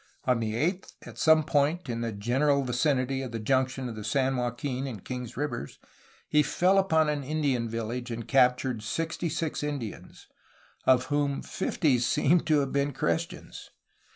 On the eighth, at some point in the general vicinity of the junction of the San Joaquin and Kings rivers, he fell upon an Indian village, and captured sixty six Indians, of whom INLAND EXPLORATIONS AND INDIAN WARS 429 fifty seem to have been Christians.